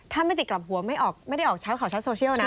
ถ้าไม่ติดกลับหัวไม่ได้ออกใช้ข่าวชัดโซเชียลนะ